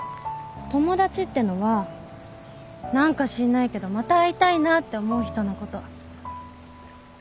友達ってのは何か知んないけどまた会いたいなって思う人のこと